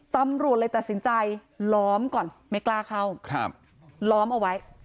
ตำรวจเลยตัดสินใจล้อมก่อนไม่กล้าเข้าครับล้อมเอาไว้